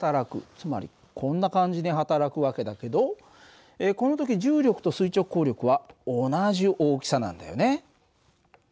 つまりこんな感じに働く訳だけどこの時重力と垂直抗力は同じ大きさなんだよね。